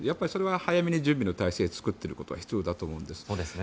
それは早めに準備の体制を作っておくことは必要だと思うんです。